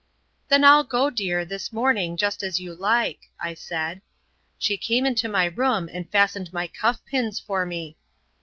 "Then I'll go, dear, this morning, just as you like," I said. She came into my room and fastened my cuff pins for me.